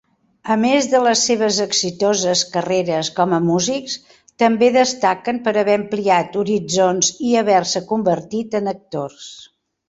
A més de les seves exitoses carreres com a músics, també destaquen per haver ampliat horitzons i haver-se convertit en actors.